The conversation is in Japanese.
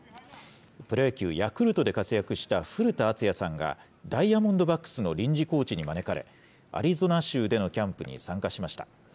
プロ野球・ヤクルトで活躍した古田敦也さんが、ダイヤモンドバックスの臨時コーチに招かれ、アリゾナ州でのキャンプに参加しました。